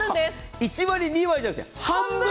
１割、２割じゃなくて、半分！